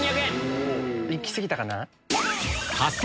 いき過ぎたかな？